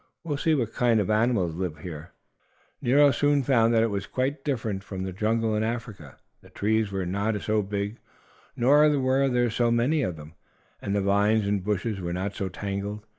We'll see what kind of jungle this is." Nero soon found that it was quite different from the jungle in Africa. The trees were not so big, nor were there so many of them, and the vines and bushes were not so tangled.